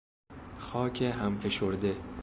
خاک همفشرده